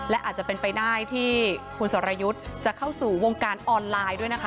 และอาจจะเป็นไปได้ที่คุณสรยุทธ์จะเข้าสู่วงการออนไลน์ด้วยนะคะ